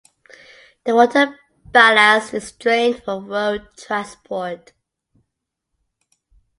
The water ballast is drained for road transport.